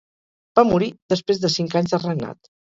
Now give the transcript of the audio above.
Va morir després de cinc anys de regnat.